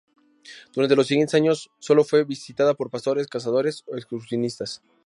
Durante los siguientes años solo fue visitada por pastores, cazadores o excursionistas.